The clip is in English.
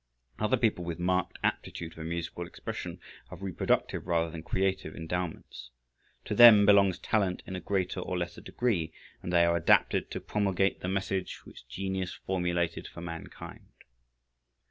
Other people with marked aptitude for musical expression have reproductive rather than creative endowments. To them belongs talent in a greater or less degree, and they are adapted to promulgate the message which genius formulated for mankind.